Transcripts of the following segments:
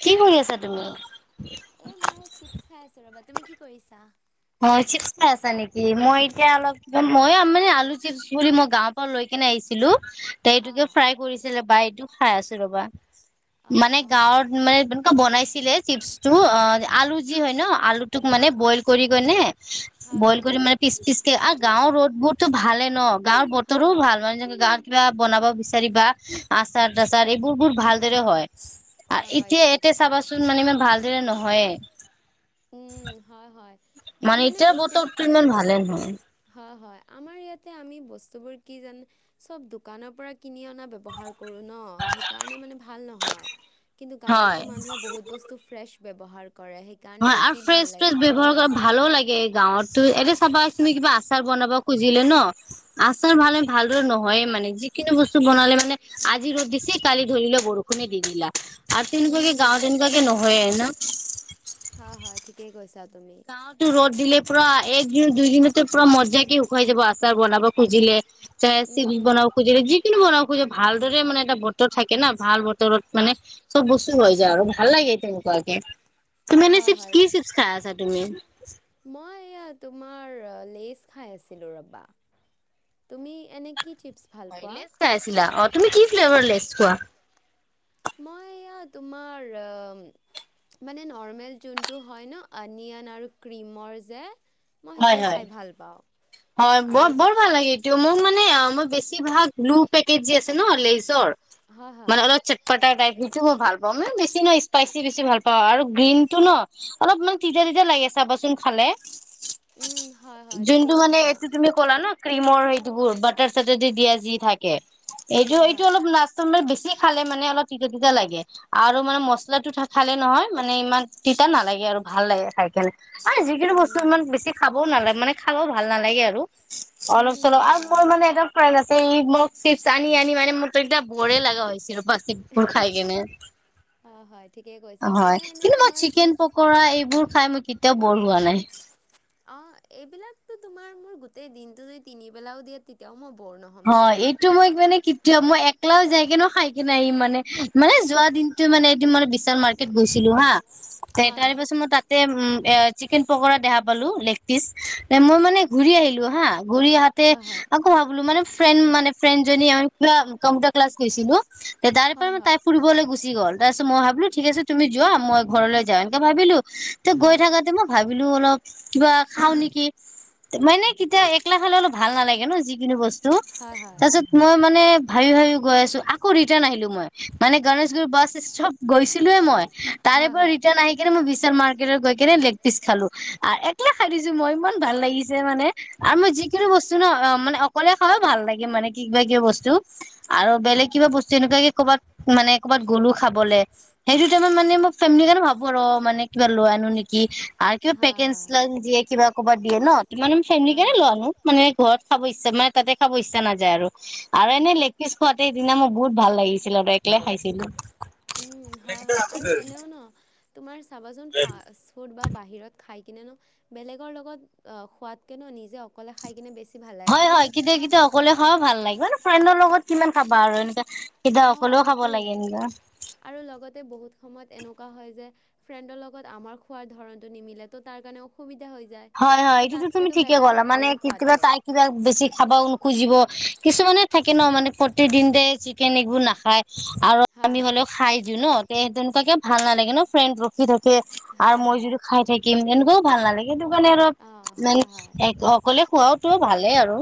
কি কৰি আছা তুমি তুমি কি কৰিছা অ চিপ খাই আছা নেকি মই এতিয়া অলপ মই মানে আলু চিপছ বুলি মই গাঁৱৰ পৰা লৈ কেনে আহিছিলো তে এইটোকে ফ্ৰাই কৰিছিলে বা এইটো খাই আছো ৰবা মানে গাঁৱত মানে তেনেকুৱা বনাইছিলে চিপচটো অ আলু যি হয় ন আলুটোক মানে বইল কৰি কেনে বইল কৰি পিচ পিচ আৰু গাঁৱৰ ৰ'দ বোৰতো ভালে ন গাঁৱৰ বতৰো ভাল মানে গাঁৱত কিবা বনাব বিচাৰিবা আচাৰ তাচাৰ এইবোৰ বোৰ ভাল দৰে হয় এতিয়া এতিয়া চাবাচোন মানে ইমান ভালদৰে নহয়ে উম হয় হয় মানে ইতিয়া বতৰ মান ভালে নহয়। হয় হয় আমাৰ। আমি বস্তুবোৰ কি জান চব দোকানৰ পৰা কিনি অনা ব্যৱহাৰ কৰো ন সেই ভাল নহয় কিন্তু গাঁৱতো মানুহে বহুত বস্তু ফ্ৰেচ বৱহাৰ কৰে হয় আৰু ফ্ৰেছ ফ্ৰেছ ব্যৱহাৰ কৰা ভালো লাগে। গাঁৱতো এ চাবা তুমি কিবা আচাৰ বনাব খুজিলে ন আচাৰ ভালে ভালদৰে নহয়ে, মানে যিখিনি বস্তু বনালে মানে আজি ৰ'দ দি কালি ধৰিলে বৰষুণে দি দিলা। আৰু তেনেকুৱে গাঁৱত তেনেকোৱা কে নহয়ে না। গাঁৱতো ৰ'দ দিলে পুৰা একদিন দুই দিনতে পুৰা মজ্জাকে শুকাই যাব আচাৰ বনাব। খোজিলে চাহে চিপচ বনাব খোজিলে যিকিনো বনাব খোজি ভালদৰে মানে এটা বতৰ থাকে না ভাল বতৰত মানে চব বস্তু হৈ যায় আৰু ভাল লাগে তেনেকুৱাকে ত মে কি চিপছ কি চিপছ খাই আছা তুমি মই ইয়াত তোমাৰ লেজ খাই আছিলো ৰবা তুমি এনে লেচ খাই আছিলা। অ তুমি কি ফ্লেভাৰ লেচ খোৱা? মই এয়া তোমাৰ মানে নৰ্মেল যোনটো হয় ন আনিয়ন আৰু ক্ৰিমৰ যে মই সেইটোৱে খাই ভাল পাওঁ হয় বৰ বৰ ভাল লাগে এইটো। মোৰ মানে মই বেছিভাগে ব্লু পেকেট যে আছে ন লেইছৰ টাইপ সিটো মই ভাল পাওঁ মানে বেছি ন স্পাইচি বেছি ভাল পাওঁ আৰু গ্ৰীণতটো ন অলপ টি লাগে চাবাচোন খালে। কিন্তু মানে এইটো তুমি ক'লা ন ক্ৰীমৰ সেইটোবোৰ বাটাৰ চাতাৰ দিয়া যি থাকে এইটো এইটো অলপ নাচটো বেছি খালে মানে অলপ তিতা তিতা লাগে আৰু মানে মছলাটো খালে নহয় মানে ইমান তিতা নালাগে। আৰু ভাল লাগে খাই কিনে আৰু যিকিনো বস্তু ইমান বেছি খাবও নালাগে মানে খাবও ভাল নালাগে আৰু অলপ চলপ আৰু মোৰ মানে এটা প্ৰাইজ আছে মই চিপছ আনি আনি মানে মোৰ একটা বৰে লগা হৈছিল ৰ বাা চিপছবোৰ খাই কেনে হয় কিন্তু মই চিকেন পকৰা এইবোৰ খাই মোৰ কেতিয়াও বৰ হোৱা নাই অ এইবিলাকো তোমাৰ মোৰ গোটেই দিনতটো যদি তিনিবেলাও দিয়ে তেতিয়াও মই হয় এইটো মই মানে কেতিয়া মই সলাও যায় কি নো খাই কি নাইি মানে মানে যোৱা দিনটো মানে এদিন মানে বিশাল মাৰ্কেট গৈছিলো হা তাৰ বছ মই তাত উ চিকেন পকৰা দেখা পালো লেগ পিচ মই মানে ঘূৰি আহিলো হা ঘূৰি আহাতে আকৌ ভাবো মানে ফ্ৰেণ্ড মানে ফ্ৰেণ্ড জনি আমি কিবা কম্পিউটাৰ ক্লাছ গৈছিলো। তে তাৰে পৰা মানে তাই ফুৰিবলৈ গুচি গ'ল। তাৰপিছত মই ভাবিলো ঠিক আছে তুমি যোৱা মই ঘৰলৈ যাওঁ এনেকে ভাবিলো তে গৈ থাকাতে মই ভাবিলো অলপ কিবা খাও নেকি মানে কেতিয়া এলা খালে অলপ ভাল নালাগে ন যিকোনো বস্তু ত তাৰপিছত মই মানে ভাবি ভাবি গৈ আছো আকৌ ৰিটাৰ্ণ আহিলো মই মানে গণেশগুৰি বাছ চব গৈছিলোয়ে মই তাৰে পৰা ৰিটাৰ্ণ আহি কিনে মই গ কেনে লেগ পিচ খালো একলাই খাই দিছো মই ইমান ভাল লাগিছে মানে আৰু মই যিকোনো বস্তু ন অ মানে অকলে খাও ভাল লাগে মানে কি কিবা কিবা বস্তু আৰু বেলেগ কিবা বস্তু এনেকুৱাকে কৰ'বাত মানে ক'ৰবাত গুৰ বোলো খাবলে সেইটো টাইমত মানে মই ফেমিলি কাৰণে ভাবো আৰু মানে কিবা লৈ আনো নেকি আৰু কিবা পেকেজ লাঞ্চ দিয়ে কিবা কবাত দিয়ে ন ত মানে ফেমিলি কেনে লৈ আহোঁ মানে ঘৰত [unintelligible] তাতে খাব ইচ্ছা নাযায় আৰু এনেই লেগ পিজ খোৱাতে সেইদিনা মোৰ বহুত ভাল লাগিছিল আৰু এককলাই খাইছিলো। উম হয় হয় আৰু এনেও ন তোমাৰ চাবাচোন ফাষ্ট ফুড বা বাহিৰত খাই কিয়নো বেলেগৰ লগত অ সোৱাদকে নো নিজে অকলে খাই কিনে বেছি। হয় হয় কিন্তু কেতিয়া অকলে খাই ভাল লাগে মানে ফ্ৰেণ্ডৰ লগত কিমান খাবা আৰু এনো অ সেইটোৱেই আৰু লগতে বহুত সময়ত এনেকুৱা হয় যে ফ্ৰেণ্ডৰ লগত আমাৰ খোৱাৰ ধৰনটো নিমিলে ত' তাৰ কাৰণে অসুবিধা হয় হয় এইটো তুমি ঠিকে ক'লা মানে তাই কিবা বেছি খাব নখুজিব কিছুমান মানে থাকে ন মানে প্ৰতিদিনতে চিকেন এইবোৰ নাখায় আৰু আমি হ'লেও খাই দিও ন তে তেনেকুৱাকে ভাল নালাগে ন ফ্ৰেণ্ড ৰখি থাকে আৰু মই যদি খাই থাকিম তেনেকুৱাও ভাল নালাগে সেইটো কাৰণে অলপ মানে অকলে খুৱওতো ভালে আৰু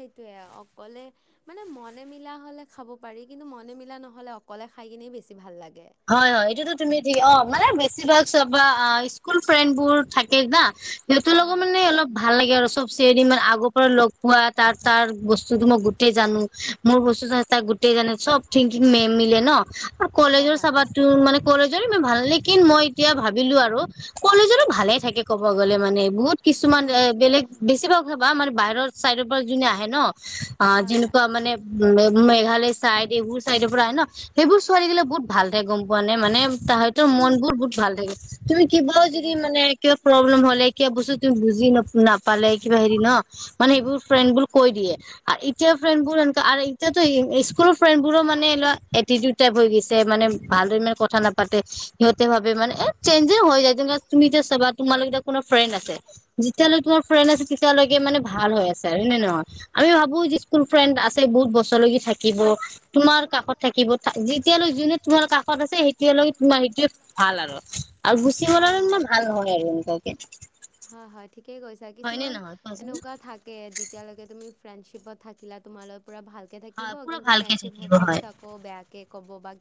সেইটোয়ে অকলে মানে মনে মিলা হলে খাব পাৰি কিন্তু মনে মিলা নহলে অকলে খাই কিনে বেছি ভাল লাগে। হয় হয় এইটোতো তুমি ঠিক অ মানে বেছিভাগ চা স্কুল ফ্ৰেণ্ড বোৰ থাকে না সিহঁতৰ লগো মানে অলপ ভাল লাগে আৰু চব চিৰ মান আগৰ পৰা লগ পোৱা তাৰ তাৰ বস্তুতটো মই গোটেই জানো মোৰ বস্ত গো জান চব থ মেম মিলে ন কলেজৰ চাবো মান কলেজৰো ইমান ভাল লে কিন মই এতিয়া ভাবিলো আৰু কলেজৰো ভালে থাকে ক'ব গ'লে মানে বহুত কিছুমান এ বেলেগ বেছিভাগ খাবা আমাৰ বাহিৰৰ চাইডৰ পৰা যোনে আহে ন অ যেনেকুৱা মানে উ মেঘালয় চাইদ এইবোৰ চাইডৰ পৰা হয় ন সেইবোৰ ছোৱালী দিলা বহুত ভাল গম পোৱা নে মানে তাহত মন বোৰ বহুত ভাল থাগে তুমি কিবা যদি মানে কিবা প্ৰব্লেম হয় এতিয়া কৈ চো যুনে বুজি নাপালে কিবা হেৰী ন হেবোৰ ফ্ৰেণ্ড বোৰ কৈ দিয়ে এ ফ্ৰেণ্ড বোৰ এ এতিয়াতো স্কুলৰ ফ্ৰেণ্ড বোৰৰ মানে এটিউড টাইপ হৈ গৈছে মানে ভালদ ইানে কথা নাপাতে সিহঁতে ভাবে মানে চেঞ্জ হৈ যায় যে তুমি যে চাবা তুমাৰ তোম কোনো ফ্ৰেণ্ড আছে যেতিয়ালৈ তোমাৰ ফ্ৰণ্ড আছে তেতিয়ালৈকে মানে ভাল হৈ আছে হয় নে নহয় আম ভাবো স্কুল ফ্ৰেণ্ড আছে বহুত বছৰলৈকে থাকিব তোমাৰ কাষত থাকিব এতিলৈ যোনে তোমাৰ কষত আছে লগে তোমাৰ সেইটোৱে ভাল আৰু গুচি গল আৰু ত ভাল নহয় আৰু এনেুৱাকে হয় হয় ঠিকেই কৈছা কিছুমান এনেকুৱা থাকে যেতিয়ালৈকে তুমি ফ্ৰেণ্ডশ্বিপত থাকিলে তোমালগত পুৰা ভালকে থাকিব। কিন্তু ফ্ৰেণ্ডশ্বিপ শেষ হোৱাৰ পিছত আকৌ বেয়াকে ক'ব বা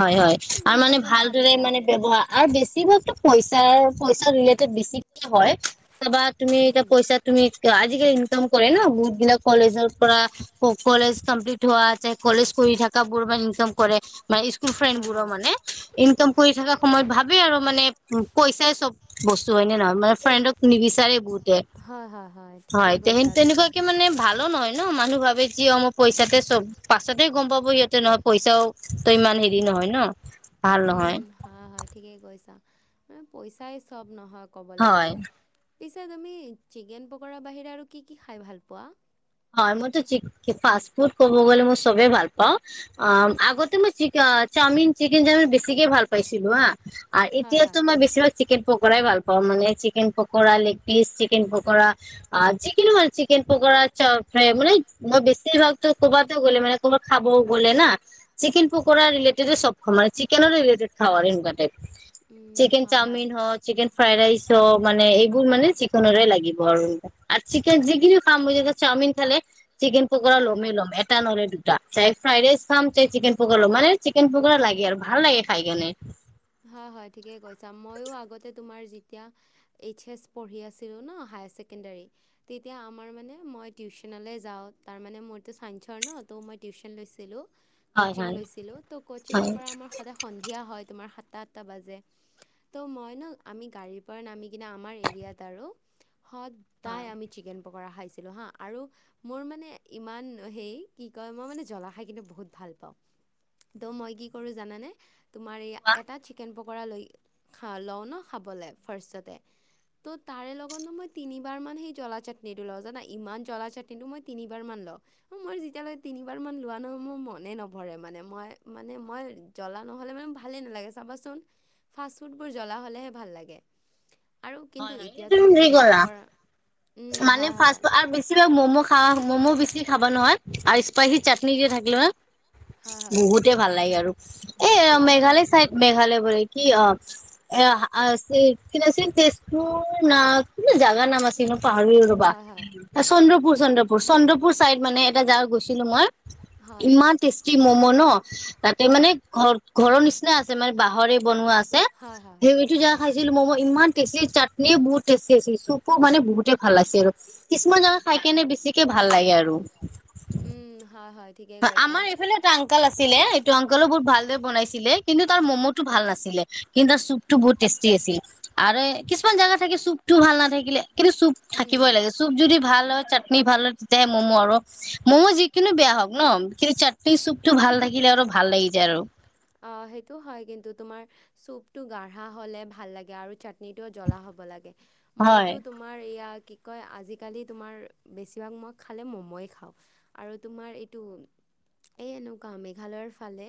হয় হয় আৰু মানে ভালদৰে মানে ব্যৱহাৰ। আৰু বেছি বস্তু পইচাৰ পইচা ৰিলেটিভ বেছিকে হয়। চাবা তুমি এতিয়া পইচা তুমি আজিকালি কৰে ন। বহুত দিন কলেজৰ পৰা কলেজ কমপ্লিট হোৱা চাহে কলেজ পঢ়ি থাকা ইনকাম কৰে মানে স্কুল ফ্ৰেণ্ডবোৰৰ মানে ইনকম কৰি থাকা সময়ত ভাবে আৰু মানে পইচাই চব বস্তু হয় নে নহয় মানে ফ্ৰেণ্ডক নিবিচাৰে বহুত হয় তেহেন তেনেকুৱাকে মানে ভালঅ নহয়। ন মানুহ ভাবে কি অ মই পইচাতে চব পাছতে গম পাব সিহঁতে নহয় পইচাও তই ইমান হেৰি নহয় ন। উম হা হয় ঠিকেই কৈছা মানে পইচাই চব নহয়। কবলে গলে তুমি চিকন পকৰাৰ বাহিৰে আৰু কি কি খাই ভাল পোৱা? হয় মইতো চিক ফাষ্ট ফুড কব গলে মই চবে ভাল পাওঁ। অ আগতে মই চিক চাওমিন চিকেন চাওমিন বেছিকে ভাল পাইছিলো হা। এতিয়াতো মই বেছিভাগ চিকেন পক পৰাই ভাল পাওঁ। মানে chicken pakora, leg piece chicken pakora যিকোনো মানে চিকেন পকৰা চাও ফ্ৰাই মানে মই বেছিভাগতো কবাত গ'লে মানে ক'বাত খাবও গ'লে না চিকেন পক চিকেন ৰিলেডেট চব খাওঁ মানে চিকেন ৰিলেডেট খাওঁ আৰু হেনেকুৱা চিকেন চাওমিন, হওক চিকেন ফ্ৰাই ৰাইচ অ মানে এইবোৰ মানে চিকেনৰে লাগিব আৰু আৰু চিকেন যিখিনি খাম চাওমিন খালে চিকেন পকৰা ল'মেই ল'ম এটা নহলে দু দুটা ফ্ৰাইড ৰাইচ খাম চাই চিকেন পকৰা মানে চিকেন পকৰা লাগে আৰু ভাল লাগে খাই কিনে। হয় হয় ঠিকে কৈছা। মইও আগতে তোমাৰ যেতিয়া এইজ এছ পঢ়ি আছিলো ন হা হায় ছেকেণ্ডৰী। তেতিয়া আমাৰ মানে মই টিউশনলৈ যাওঁ তাৰ মানে মোৰতো চাইন্সৰ ন। মই টিউচন লৈছিলোঁ, কোচিং লৈছিলোঁ ত কোচিং ৰ পৰা সদায় সন্ধিয়া হয়। তোমাৰ সাত টা সাত টা আঠ টা বাজে ত। মই ন আমি গাড়ীৰ পৰা নামি কিনে আমাৰ এৰিয়াত আৰু সদায় আমি চিকেন পকৰা খাইছিলোঁ হা আৰু মোৰ মানে ইমান সেই কি কয় মই মানে জ্বলা খাই কিন্তু বহুত ভাল পাওঁ। ত মই কি কৰোঁ জানানে? তোমাৰ এই এটা চিকেন পকৰা লৈ লওঁ ন খাবলৈ ফাৰ্ষ্টতে। ত' তাৰে লগত নো মই তিনিবাৰ মান সেই জ্বলা চাটনিটো লওঁ জানা। ই জ্বলা চাটনি টো মই তিনিবাৰ মান মই যেতিয়ালৈ তিনিবাৰ মান লোৱা নহয়। মোৰ মনে নভৰে মানে মই মানে মই জ্বলা নহ'লে মানে ভালে নালাগে চাবা চোন। ফাষ্ট ফুডবোৰ জ্বলা হ'লে হে ভাল লাগে। হয় হয় সেই গ'লা মানে ফাষ্ট আৰু বেছিভাগ মম খাওঁ মম বেছি খাবা নোৱাৰা আৰু স্পাইচি চাটনি যি থাকিলে হয় ন। বহুতে ভাল লাগে আৰু এ মেঘালয় চাইদ মেঘালয় বুলি কি অ। [unintelligible] ও না কিনো জাগা নাম আছিল নো পাহৰিলোঁ ৰবা চন্দ্ৰপুৰ। চন্দ্ৰপুৰ চন্দ্ৰপুৰ চাইড মানে এটা জাগা গৈছিলোঁ মই ইমান টেষ্টি মম ন। তাতে মানে ঘৰ ঘৰৰ নিচিনা আছে মানে বাঁহৰে বনোৱা আছে। সেইটো জাগা খাইছিলোঁ মম ইমান টেষ্টি চাটনিও বহুত টেষ্টি হৈছিল চুপো মানে বহুতে ভাল আছিল। কিছুমান জাগা খাই কেনে বেছিকে ভাল লাগে আৰু। এৰো। উম হয় হয় ঠিকেই কৈছা। ছিলে এইটো আংকোলো বহুত ভালদৰে বনাইছিলে। কিন্তু তাৰ ম'ম' টো ভাল নাছিলে কিন্তুৰ চুপটো বহুত টেষ্টি আছিল। আৰু কিছুমান জেগা থাকে চুপটো ভাল নাথাকিলে কিন্তু চুপ থাকিবই লাগে চুপ যদি ভাল হয় চাট নি ভাল হয় তেতিয়াহে মম আৰু মম যিকিনো বেয়া হওক ন কিন্তু চাটনিৰ চুপটো ভাল থাকিলে আৰু ভাল লাগি যায় আৰু। অ সেইটো হৈ কিন্তু তোমাৰ চুপটো গাঢ়া হ'লে ভাল লাগে আৰু চাট নিটো জ্বলা হ'ব লাগে। মইতো তোমাৰ এইয়া কি কয় আজিকালি তোমাৰ বেছিভাগ মই খালে মমই খাওঁ আৰু তোমাৰ এইটো এই এনেকুৱা মেঘালয়ৰ ফালে।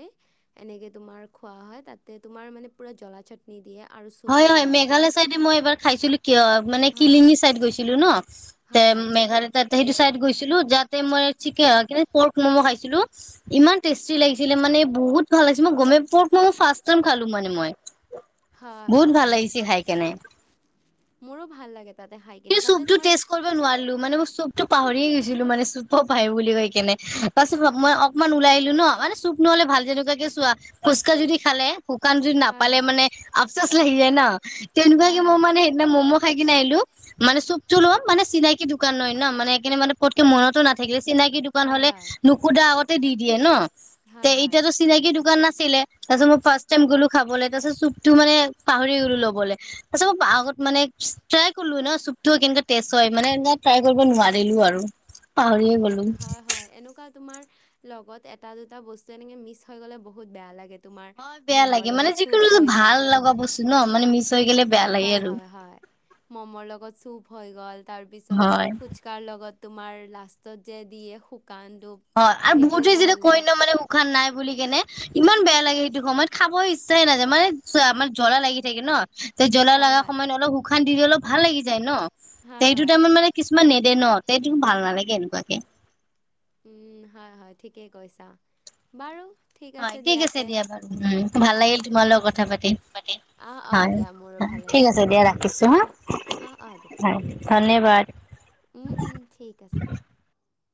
এনেকে তোমাৰ খোৱা হয়। তাতে তোমাৰ মানে পুৰা জলা চাটনি দিয়ে। হয় হয় মেঘালয় চাইডে মই এইবাৰ খাইছিলো। কি অ মানে কিলিঙি চাইদ গৈছিলো ন। তে মেঘালয় ত সেইটো চাইড। গৈছিলো যাতে মই চিকে পৰ্ক ম'ম' খাইছিলো। ইমান টেষ্টি লাগিছিলে মানে বহুত ভাল হৈছে। মই গমে পৰ্ক মই ফাৰ্ষটাইম খালোঁ মানে মই। বহুত ভাল লাগিছে খাই কেনে। মোৰো ভাল লাগে তাতে খাই কেনে। তাতে তোমাৰ পাহৰিয়ে গৈছিলোঁ মানে চুপ পাই বুলি কৈ কেনে। তাছত মই অকমান ওলাই আহিলোঁ ন মানে চুপ ন। চোৱা ভাল। যেনেকুৱাকে চোৱা ফুচকা যদি খালে শুকান যদি নাপালে মানে আফচচ লাগি যায় ন। তেনেকুৱাকে মই মানে সেইদিনা মম খাই কেনে আইলো। মানে চবতো লম মানে চিনাকি দোকান নহয় ন মানে একানে মানে পতকে মনটো নাথাকিল। চিনাকি দোকান হ'লে নুখুদা আগতে দি দিয়ে ন। তে এতিয়াতো চিনাকি দোকান নাছিলে। তাপিছত মই ফাৰ্ষ্ টাইম গলোঁ খাবলে। তাছত চুপ সেইটো মানে পাহৰি গলোঁ লবলে। তাপিছত আগত মানে ট্ৰাই কৰিলো ন চুপটো কেনেকে টেষ্ট হয়। মানে এনে ট্ৰাই কৰিব নোৱাৰিলোঁ আৰু। উম হয় হয়। এনেকুৱা তোমাৰ লগত এটা দুটা বস্তু এনেকে মিছ হৈ গ'লে বহুত বেয়া লাগে। তোমাৰ মমৰ লগত চুপ হৈ যা। হয় হয় হয়। মমৰ লগত চুপ হৈ গ'ল তাৰ পিছত ফুচকাৰ লগত তোমাৰ লাষ্টত যে দিয়ে শু হয় আৰু বহুতেই যেতিয়া কই ন মানে উশাহ নাই বুলি কেনে। ইমান বেয়া লাগে সেইটো সময়ত খাব ইচ্ছাই নাযায় মানে চোৱা আমাৰ জ্বলা লাগি থাকে ন। ত জ্বলা লগা সময়ত অলপ শুশান দি দিলেও ভাল লাগি যায় ন। সেইটো টাইমত মানে কিছুমান নে দে ন। তেতিং ভাল নালাগে এনেকুৱাকে। উম হয় হয় ঠিকেই কৈছা। বাৰু। হয় ঠিক আছে দিয়া বাৰু। উম ভাল লাগিল তোমাৰ লগত কথা পাতি। হয় ঠিক আছে দিয়া ৰাখিছো হা। হয়। ধন্যবাদ। উম উম ঠিক আছে দিয়া।